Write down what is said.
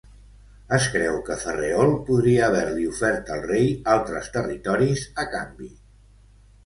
Es creu que Ferreol podria haver-li ofert al rei altres territoris a canvi.